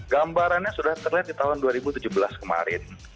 gambarannya sudah terlihat di tahun dua ribu tujuh belas kemarin